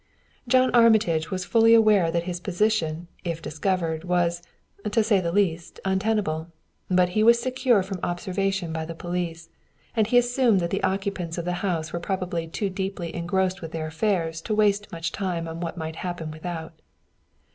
John Armitage was fully aware that his position, if discovered, was, to say the least, untenable; but he was secure from observation by police, and he assumed that the occupants of the house were probably too deeply engrossed with their affairs to waste much time on what might happen without.